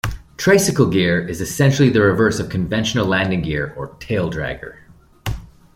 Tricycle gear is essentially the reverse of conventional landing gear or "taildragger".